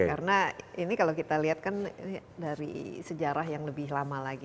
karena ini kalau kita lihat kan dari sejarah yang lebih lama lagi